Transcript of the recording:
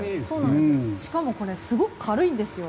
しかもこれすごく軽いんですよ。